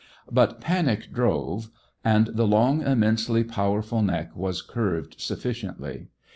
But panic drove, and the long, immensely powerful neck was curved sufficiently.